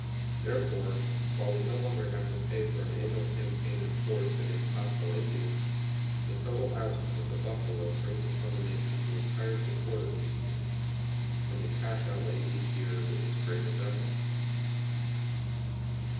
Therefore, while we no longer have to pay for an annual campaign in force against hostile Indians, the total absence of the buffalo brings upon the nation the entire support of the Indian, and the cash outlay each year is as great as ever.